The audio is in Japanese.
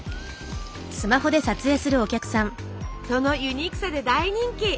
そのユニークさで大人気！